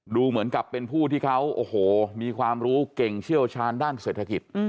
ดูเหมือนกับเป็นผู้ที่เขาโอ้โหมีความรู้เก่งเชี่ยวชาญด้านเศรษฐกิจ